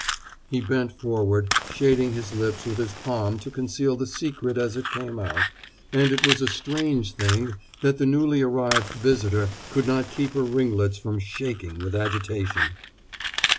He bent forward, shading his lips with his palm to conceal the secret as it came out, and it was a strange thing that the newly arrived visitor could not keep her ringlets from shaking with agitation.